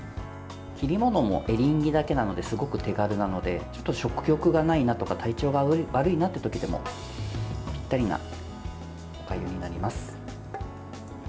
切り物もエリンギだけなのですごく手軽なので食欲がないなとか体調が悪いなって時でもぴったりなおかゆになります。